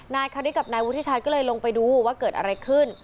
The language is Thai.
นายคาริกับนายวุฒิชัยก็เลยลงไปดูว่าเกิดอะไรขึ้น